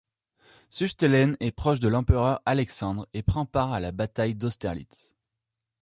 Suchtelen est proche de l'empereur Alexandre et prend part à la bataille d'Austerlitz.